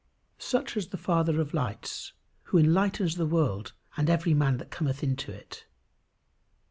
Such is the Father of lights who enlightens the world and every man that cometh into it.